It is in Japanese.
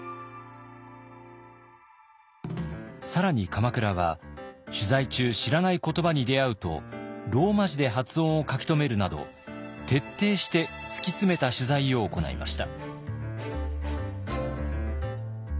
更に鎌倉は取材中知らない言葉に出会うとローマ字で発音を書き留めるなど徹底して突き詰めた取材を行いました。